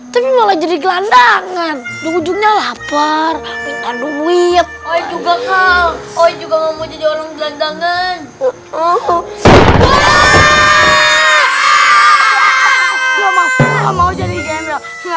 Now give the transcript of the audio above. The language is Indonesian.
tapi malah jadi gelandangan ujungnya lapar minta duit juga kau juga mau jadi orang gelandangan